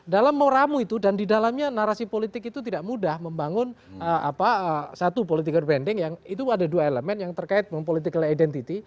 dalam moramu itu dan di dalamnya narasi politik itu tidak mudah membangun satu political branding yang itu ada dua elemen yang terkait dengan political identity